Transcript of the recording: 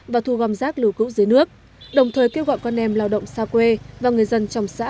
và thu gom rác lưu cữu dưới nước đồng thời kêu gọi con em lao động xa quê và người dân trong xã